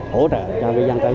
hỗ trợ cho ngư dân